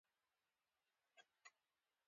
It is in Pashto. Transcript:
ما ورته وویل رښتیا چې تکړه یې.